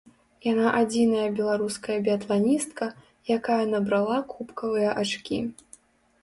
Яна адзіная беларуская біятланістка, якая набрала кубкавыя ачкі.